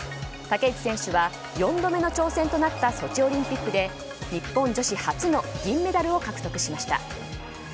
竹内選手は４度目の挑戦となったソチオリンピックで日本女子初の銀メダルを獲得しました。